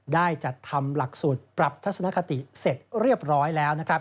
ได้จัดทำหลักสูตรปรับทัศนคติเสร็จเรียบร้อยแล้วนะครับ